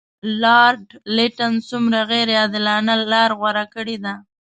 لارډ لیټن څومره غیر عادلانه لار غوره کړې ده.